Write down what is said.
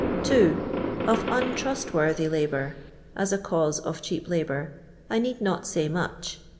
2. Of Untrutlirortkif Lal^ouv (as a cause of cheap labour) I need not say much.